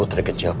putri kecil papa